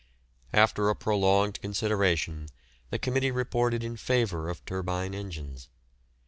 After a prolonged consideration the committee reported in favour of turbine engines.